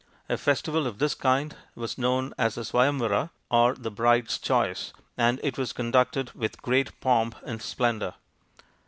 A festival of this kind was known as the Swayamvara y or " The Bride's Choice/' and it was conducted with great pomp and splendour.